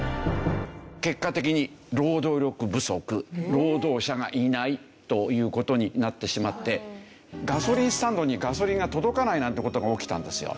結果的に労働力不足労働者がいないという事になってしまってガソリンスタンドにガソリンが届かないなんて事が起きたんですよ。